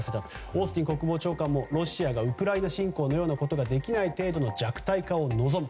オースティン国防長官もロシアがウクライナ侵攻のようなことができない程度の弱体化を望む。